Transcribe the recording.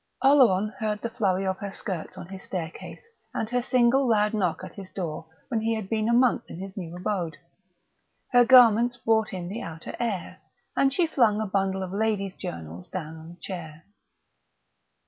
Oleron heard the flurry of her skirts on his staircase and her single loud knock at his door when he had been a month in his new abode. Her garments brought in the outer air, and she flung a bundle of ladies' journals down on a chair.